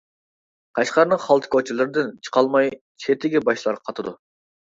قەشقەرنىڭ خالتا كوچىلىرىدىن، چىقالماي چېتىگە باشلار قاتىدۇ.